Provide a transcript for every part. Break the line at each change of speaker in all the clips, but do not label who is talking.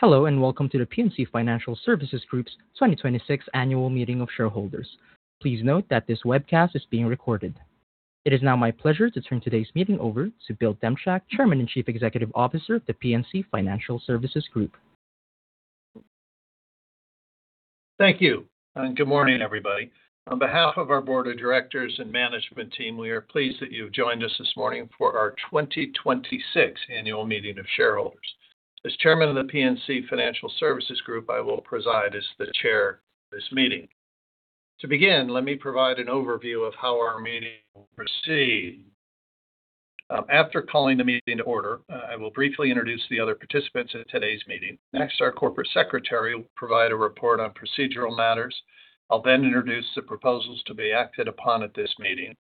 Hello and welcome to The PNC Financial Services Group's 2026 Annual Meeting of Shareholders. Please note that this webcast is being recorded. It is now my pleasure to turn today's meeting over to Bill Demchak, Chairman and Chief Executive Officer of The PNC Financial Services Group.
Thank you. Good morning, everybody. On behalf of our board of directors and management team, we are pleased that you've joined us this morning for our 2026 Annual Meeting of Shareholders. As Chairman of The PNC Financial Services Group, I will preside as the chair of this meeting. To begin, let me provide an overview of how our meeting will proceed. After calling the meeting to order, I will briefly introduce the other participants in today's meeting. Next, our corporate secretary will provide a report on procedural matters. I'll then introduce the proposals to be acted upon at this meeting.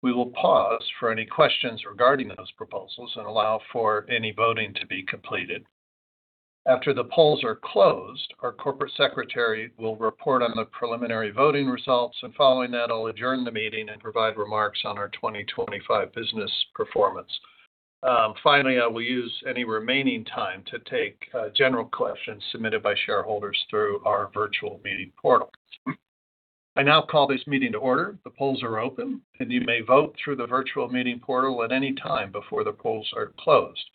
We will pause for any questions regarding those proposals and allow for any voting to be completed. After the polls are closed, our corporate secretary will report on the preliminary voting results, and following that, I'll adjourn the meeting and provide remarks on our 2025 business performance. Finally, I will use any remaining time to take general questions submitted by shareholders through our virtual meeting portal. I now call this meeting to order. The polls are open, and you may vote through the virtual meeting portal at any time before the polls are closed.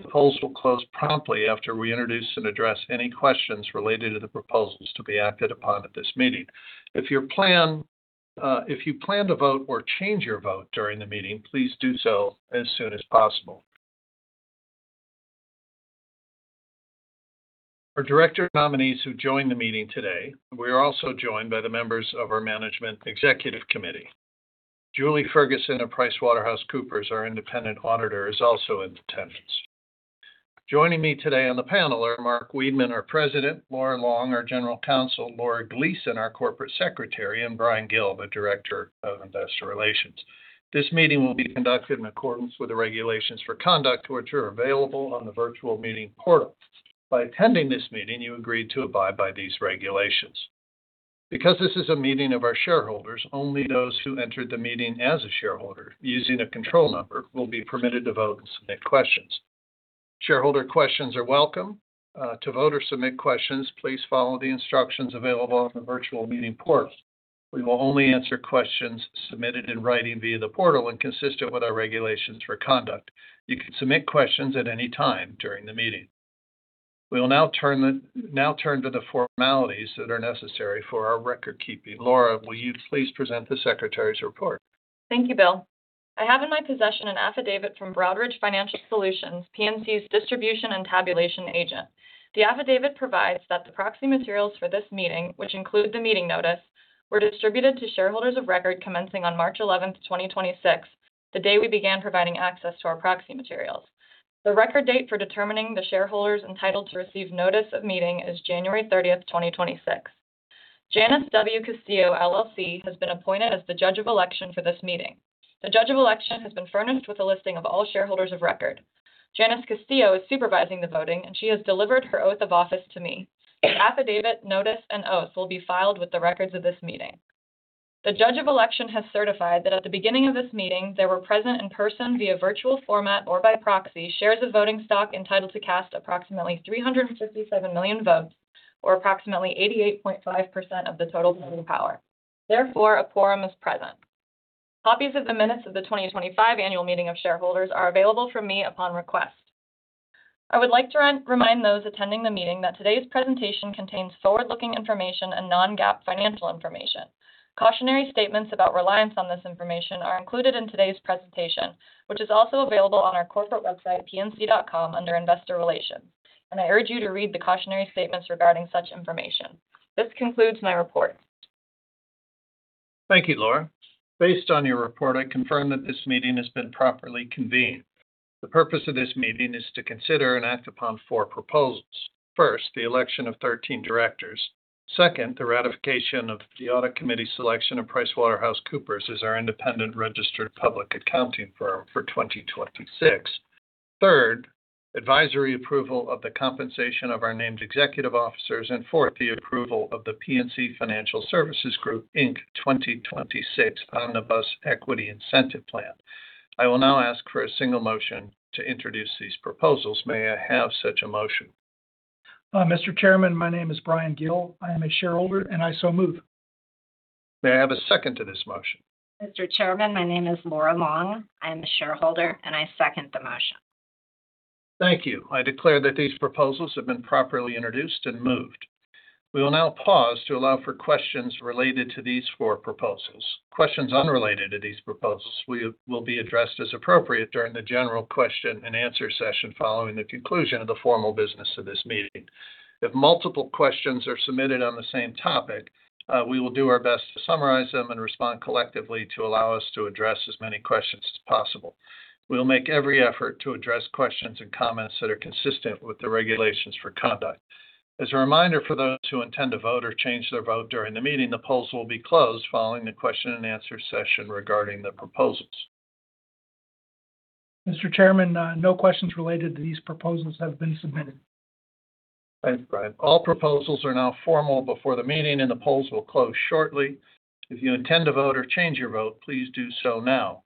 The polls will close promptly after we introduce and address any questions related to the proposals to be acted upon at this meeting. If you plan to vote or change your vote during the meeting, please do so as soon as possible. Our director nominees who join the meeting today, we are also joined by the members of our Management Executive Committee. Julie Ferguson of PricewaterhouseCoopers, our independent auditor, is also in attendance. Joining me today on the panel are Mark Wiedman, our President, Laura Long, our General Counsel, Laura Gleason, our Corporate Secretary, and Bryan Gill, the Director of Investor Relations. This meeting will be conducted in accordance with the regulations for conduct, which are available on the virtual meeting portal. By attending this meeting, you agree to abide by these regulations. Because this is a meeting of our shareholders, only those who entered the meeting as a shareholder using a control number will be permitted to vote and submit questions. Shareholder questions are welcome. To vote or submit questions, please follow the instructions available on the virtual meeting portal. We will only answer questions submitted in writing via the portal when consistent with our regulations for conduct. You can submit questions at any time during the meeting. We will now turn to the formalities that are necessary for our record keeping. Laura Gleason, will you please present the secretary's report?
Thank you, Bill. I have in my possession an affidavit from Broadridge Financial Solutions, PNC's distribution and tabulation agent. The affidavit provides that the proxy materials for this meeting, which include the meeting notice, were distributed to shareholders of record commencing on March 11th, 2026, the day we began providing access to our proxy materials. The record date for determining the shareholders entitled to receive notice of meeting is January 30th, 2026. Janice W. Castillo LLC has been appointed as the Judge of Election for this meeting. The Judge of Election has been furnished with a listing of all shareholders of record. Janice Castillo is supervising the voting, and she has delivered her oath of office to me. The affidavit, notice, and oath will be filed with the records of this meeting. The Judge of Election has certified that at the beginning of this meeting, there were present in person via virtual format or by proxy shares of voting stock entitled to cast approximately 357 million votes, or approximately 88.5% of the total voting power. Therefore, a quorum is present. Copies of the minutes of the 2025 Annual Meeting of Shareholders are available from me upon request. I would like to remind those attending the meeting that today's presentation contains forward-looking information and non-GAAP financial information. Cautionary statements about reliance on this information are included in today's presentation, which is also available on our corporate website, pnc.com, under Investor Relations. I urge you to read the cautionary statements regarding such information. This concludes my report.
Thank you, Laura. Based on your report, I confirm that this meeting has been properly convened. The purpose of this meeting is to consider and act upon four proposals. First, the election of 13 directors. Second, the ratification of the audit committee selection of PricewaterhouseCoopers as our independent registered public accounting firm for 2026. Third, advisory approval of the compensation of our named executive officers. Fourth, the approval of The PNC Financial Services Group, Inc. 2026 Omnibus Equity Incentive Plan. I will now ask for a single motion to introduce these proposals. May I have such a motion?
Mr. Chairman, my name is Bryan Gill. I am a shareholder, and I so move.
May I have a second to this motion?
Mr. Chairman, my name is Laura Long. I am a shareholder, and I second the motion.
Thank you. I declare that these proposals have been properly introduced and moved. We will now pause to allow for questions related to these four proposals. Questions unrelated to these proposals will be addressed as appropriate during the general question and answer session following the conclusion of the formal business of this meeting. If multiple questions are submitted on the same topic, we will do our best to summarize them and respond collectively to allow us to address as many questions as possible. We will make every effort to address questions and comments that are consistent with the regulations for conduct. As a reminder for those who intend to vote or change their vote during the meeting, the polls will be closed following the question and answer session regarding the proposals.
Mr. Chairman, no questions related to these proposals have been submitted.
Thanks, Bryan. All proposals are now formally before the meeting, and the polls will close shortly. If you intend to vote or change your vote, please do so now.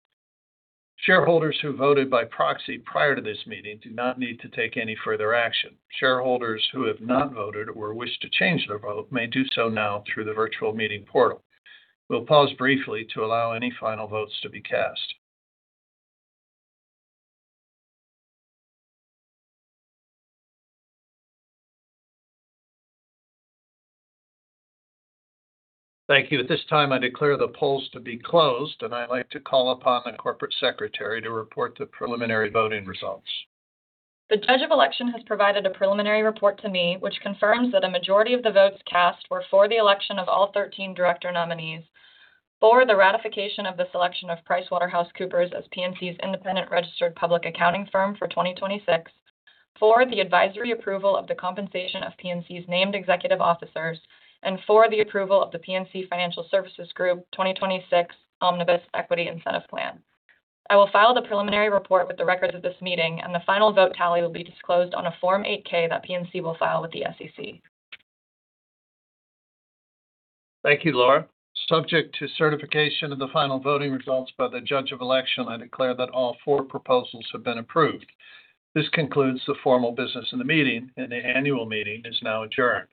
Shareholders who voted by proxy prior to this meeting do not need to take any further action. Shareholders who have not voted or wish to change their vote may do so now through the virtual meeting portal. We'll pause briefly to allow any final votes to be cast. Thank you. At this time, I declare the polls to be closed, and I'd like to call upon the Corporate Secretary to report the preliminary voting results.
The Judge of Election has provided a preliminary report to me, which confirms that a majority of the votes cast were for the election of all 13 director nominees, for the ratification of the selection of PricewaterhouseCoopers as PNC's independent registered public accounting firm for 2026, for the advisory approval of the compensation of PNC's named executive officers, and for the approval of the PNC Financial Services Group 2026 Omnibus Equity Incentive Plan. I will file the preliminary report with the records of this meeting, and the final vote tally will be disclosed on a Form 8-K that PNC will file with the SEC.
Thank you, Laura. Subject to certification of the final voting results by the Judge of Election, I declare that all four proposals have been approved. This concludes the formal business in the meeting, and the annual meeting is now adjourned.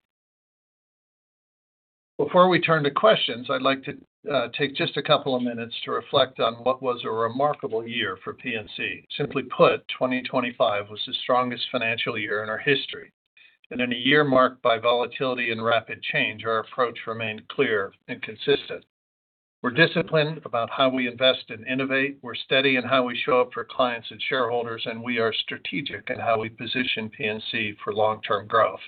Before we turn to questions, I'd like to take just a couple of minutes to reflect on what was a remarkable year for PNC. Simply put, 2025 was the strongest financial year in our history. In a year marked by volatility and rapid change, our approach remained clear and consistent. We're disciplined about how we invest and innovate, we're steady in how we show up for clients and shareholders, and we are strategic in how we position PNC for long-term growth.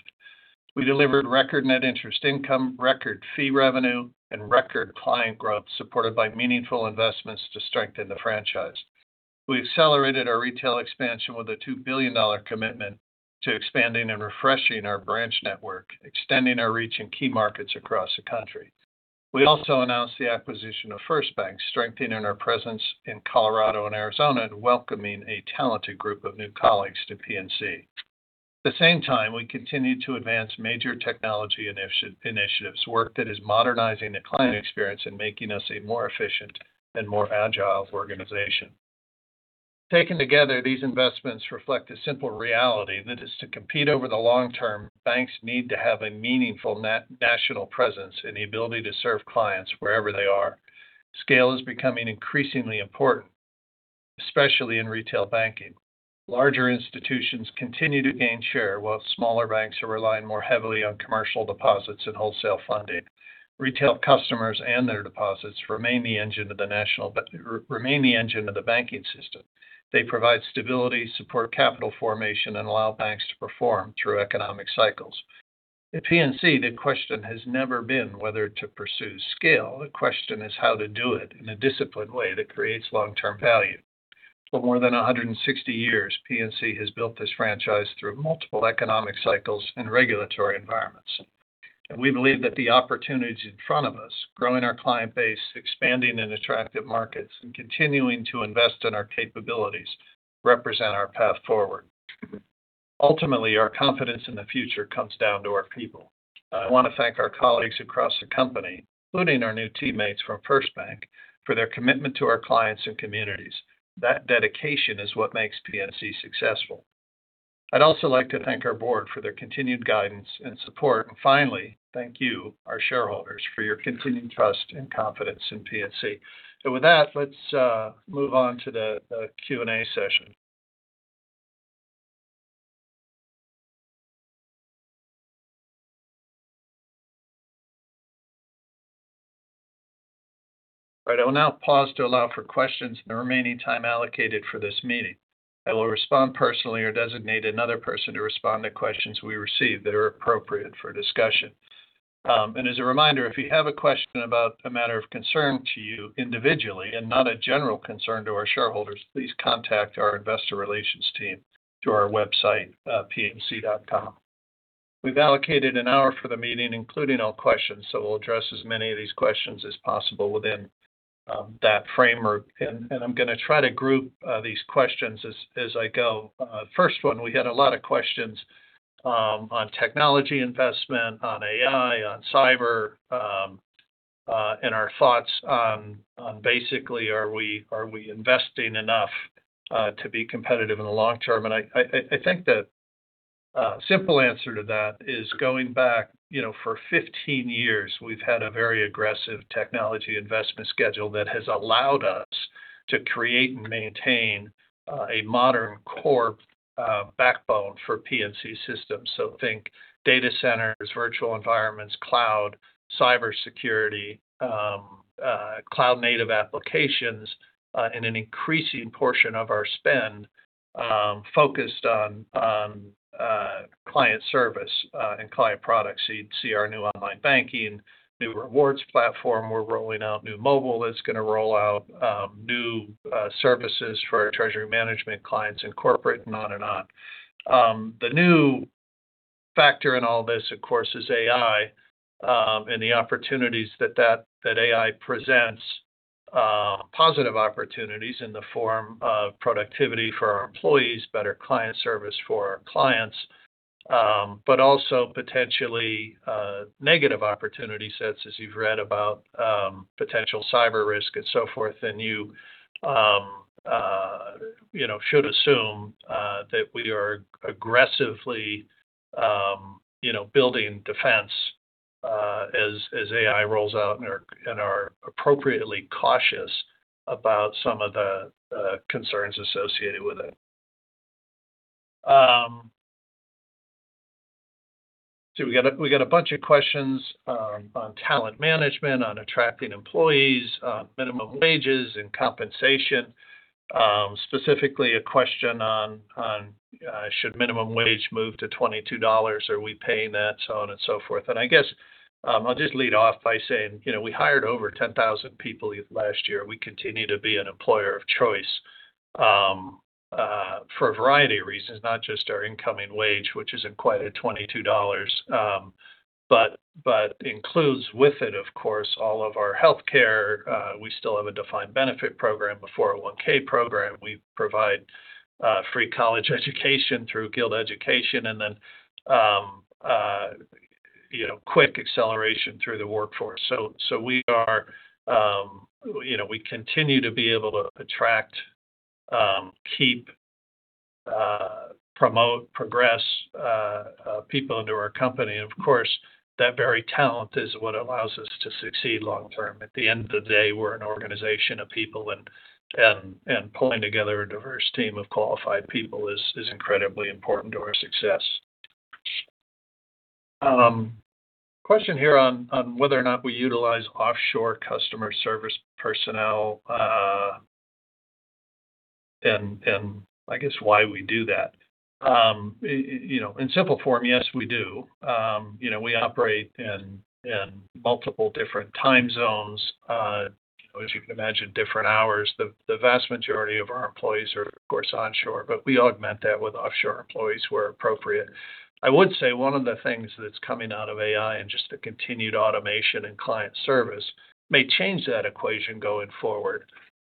We delivered record net interest income, record fee revenue, and record client growth, supported by meaningful investments to strengthen the franchise. We accelerated our retail expansion with a $2 billion commitment to expanding and refreshing our branch network, extending our reach in key markets across the country. We also announced the acquisition of FirstBank, strengthening our presence in Colorado and Arizona and welcoming a talented group of new colleagues to PNC. At the same time, we continued to advance major technology initiatives, work that is modernizing the client experience and making us a more efficient and more agile organization. Taken together, these investments reflect a simple reality, that is to compete over the long term, banks need to have a meaningful national presence and the ability to serve clients wherever they are. Scale is becoming increasingly important, especially in retail banking. Larger institutions continue to gain share, while smaller banks are relying more heavily on commercial deposits and wholesale funding. Retail customers and their deposits remain the engine of the banking system. They provide stability, support capital formation, and allow banks to perform through economic cycles. At PNC, the question has never been whether to pursue scale. The question is how to do it in a disciplined way that creates long-term value. For more than 160 years, PNC has built this franchise through multiple economic cycles and regulatory environments. We believe that the opportunities in front of us, growing our client base, expanding in attractive markets, and continuing to invest in our capabilities, represent our path forward. Ultimately, our confidence in the future comes down to our people. I want to thank our colleagues across the company, including our new teammates from FirstBank, for their commitment to our clients and communities. That dedication is what makes PNC successful. I'd also like to thank our board for their continued guidance and support. Finally, thank you, our shareholders, for your continued trust and confidence in PNC. With that, let's move on to the Q&A session. All right. I will now pause to allow for questions in the remaining time allocated for this meeting. I will respond personally or designate another person to respond to questions we receive that are appropriate for discussion. As a reminder, if you have a question about a matter of concern to you individually and not a general concern to our shareholders, please contact our investor relations team through our website, pnc.com. We've allocated an hour for the meeting, including all questions. We'll address as many of these questions as possible within that framework. I'm going to try to group these questions as I go. First one, we had a lot of questions on technology investment, on AI, on cyber, and our thoughts on basically are we investing enough to be competitive in the long term? I think the simple answer to that is going back for 15 years, we've had a very aggressive technology investment schedule that has allowed us to create and maintain a modern core backbone for PNC systems. Think data centers, virtual environments, cloud, cybersecurity, cloud native applications, and an increasing portion of our spend focused on client service and client products. You'd see our new online banking, new rewards platform. We're rolling out new mobile that's going to roll out new services for our treasury management clients in corporate and on and on. The new factor in all this, of course, is AI, and the opportunities that AI presents. Positive opportunities in the form of productivity for our employees, better client service for our clients, but also potentially negative opportunity sets as you've read about potential cyber risk and so forth. You should assume that we are aggressively building defense as AI rolls out and are appropriately cautious about some of the concerns associated with it. We got a bunch of questions on talent management, on attracting employees, on minimum wages and compensation. Specifically a question on, should minimum wage move to $22? Are we paying that? So on and so forth. I guess, I'll just lead off by saying, we hired over 10,000 people last year. We continue to be an employer of choice for a variety of reasons, not just our incoming wage, which isn't quite at $22, but includes with it of course, all of our healthcare. We still have a defined benefit program, a 401(k) program. We provide free college education through Guild Education, and then quick acceleration through the workforce. We continue to be able to attract, keep, promote, progress people into our company. Of course, that very talent is what allows us to succeed long term. At the end of the day, we're an organization of people, and pulling together a diverse team of qualified people is incredibly important to our success. Question here on whether or not we utilize offshore customer service personnel, and I guess why we do that. In simple form, yes, we do. We operate in multiple different time zones. As you can imagine, different hours. The vast majority of our employees are, of course, onshore, but we augment that with offshore employees where appropriate. I would say one of the things that's coming out of AI and just the continued automation and client service may change that equation going forward,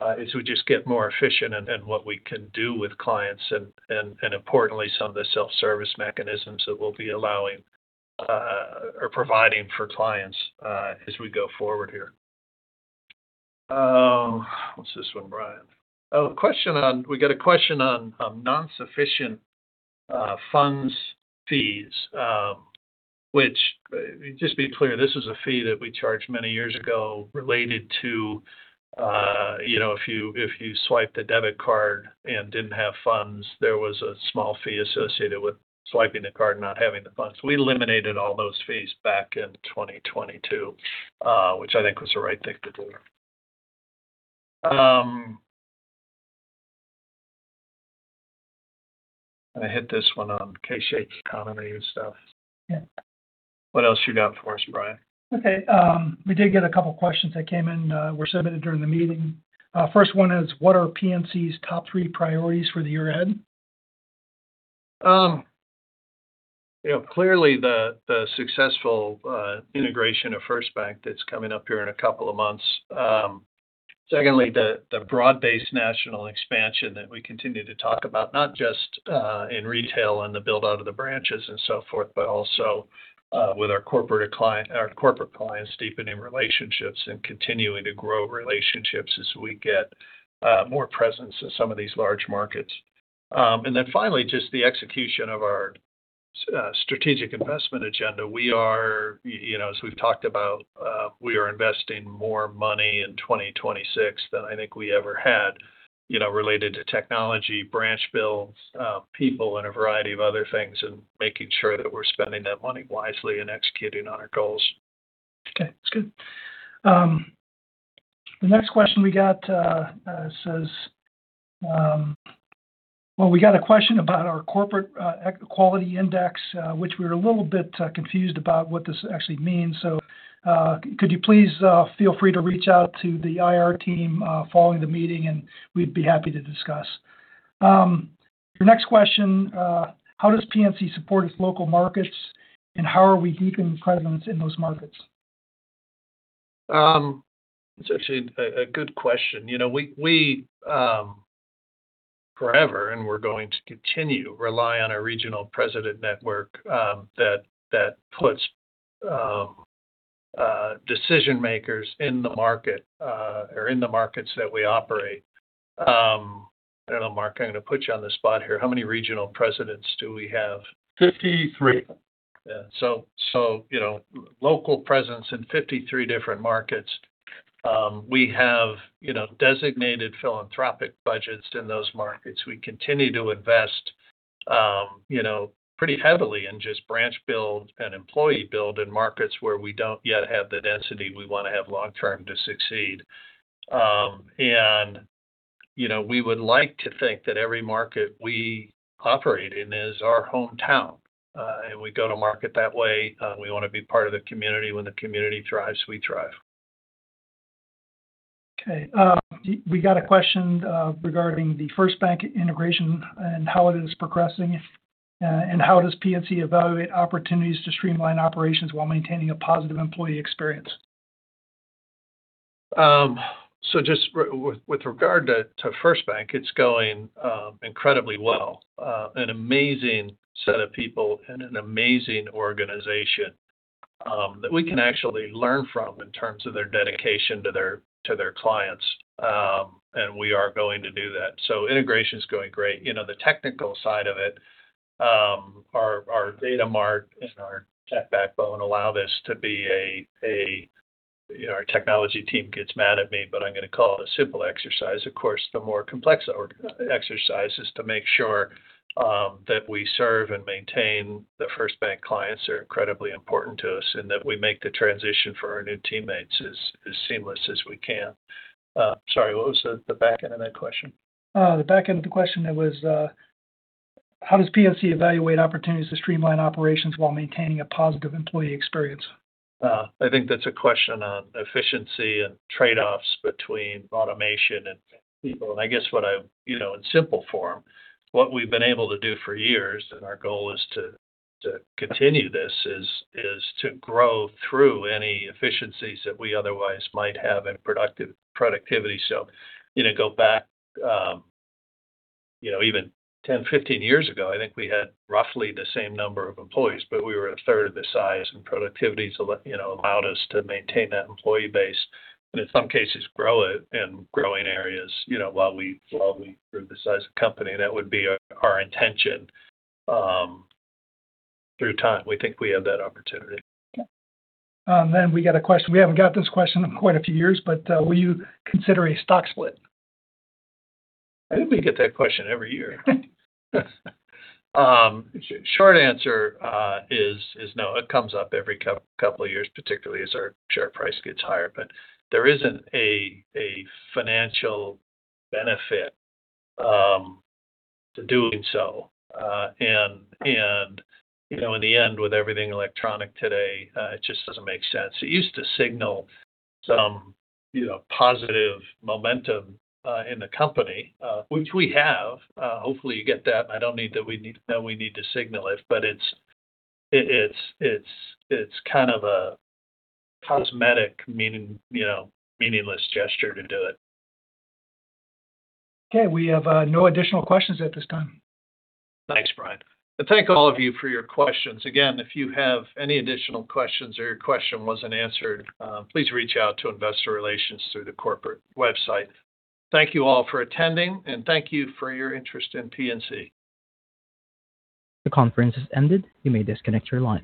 as we just get more efficient in what we can do with clients and importantly, some of the self-service mechanisms that we'll be allowing or providing for clients as we go forward here. What's this one, Bryan? We got a question on non-sufficient funds fees. Just to be clear, this is a fee that we charged many years ago related to if you swiped a debit card and didn't have funds, there was a small fee associated with swiping the card and not having the funds. We eliminated all those fees back in 2022, which I think was the right thing to do. I hit this one on K-shaped economy and stuff.
Yeah.
What else you got for us, Bryan?
Okay. We did get a couple questions that came in, were submitted during the meeting. First one is, what are PNC's top three priorities for the year ahead?
Clearly the successful integration of FirstBank that's coming up here in a couple of months. Secondly, the broad-based national expansion that we continue to talk about, not just in retail and the build-out of the branches and so forth, but also with our corporate clients, deepening relationships and continuing to grow relationships as we get more presence in some of these large markets. Finally, just the execution of our strategic investment agenda. We are, as we've talked about, investing more money in 2026 than I think we ever had related to technology, branch builds, people, and a variety of other things, and making sure that we're spending that money wisely and executing on our goals.
Okay, that's good. The next question we got says, well, we got a question about our Corporate Equality Index, which we're a little bit confused about what this actually means. Could you please feel free to reach out to the IR team following the meeting, and we'd be happy to discuss. Your next question, how does PNC support its local markets, and how are we deepening presence in those markets?
It's actually a good question. We forever, and we're going to continue, rely on our regional president network that puts decision-makers in the market, or in the markets that we operate. I don't know, Mark, I'm going to put you on the spot here. How many regional presidents do we have?
Fifty-three.
Yeah. Local presence in 53 different markets. We have designated philanthropic budgets in those markets. We continue to invest pretty heavily in just branch build and employee build in markets where we don't yet have the density we want to have long term to succeed. We would like to think that every market we operate in is our hometown. We go to market that way. We want to be part of the community. When the community thrives, we thrive.
Okay. We got a question regarding the FirstBank integration and how it is progressing. How does PNC evaluate opportunities to streamline operations while maintaining a positive employee experience?
Just with regard to FirstBank, it's going incredibly well. An amazing set of people and an amazing organization that we can actually learn from in terms of their dedication to their clients. We are going to do that. Integration's going great. The technical side of it, our data mart and our tech backbone allow this to be a simple exercise. Our technology team gets mad at me, but I'm going to call it a simple exercise. Of course, the more complex exercise is to make sure that we serve and maintain the FirstBank clients. They're incredibly important to us, and that we make the transition for our new teammates as seamless as we can. Sorry, what was the back end of that question?
The back end of the question was, how does PNC evaluate opportunities to streamline operations while maintaining a positive employee experience?
I think that's a question on efficiency and trade-offs between automation and people. In simple form, what we've been able to do for years, and our goal is to continue this, is to grow through any efficiencies that we otherwise might have in productivity. Go back even 10, 15 years ago, I think we had roughly the same number of employees, but we were a third of the size, and productivity allowed us to maintain that employee base and in some cases grow it in growing areas while we grew the size of the company. That would be our intention through time. We think we have that opportunity.
Okay. We got a question. We haven't got this question in quite a few years, but will you consider a stock split?
I think we get that question every year. Short answer is no. It comes up every couple of years, particularly as our share price gets higher. There isn't a financial benefit to doing so. In the end, with everything electronic today, it just doesn't make sense. It used to signal some positive momentum in the company, which we have. Hopefully, you get that, and I don't need to signal it. It's kind of a cosmetic, meaningless gesture to do it.
Okay. We have no additional questions at this time.
Thanks, Bryan. Thank all of you for your questions. Again, if you have any additional questions or your question wasn't answered, please reach out to investor relations through the corporate website. Thank you all for attending, and thank you for your interest in PNC.
The conference has ended. You may disconnect your line.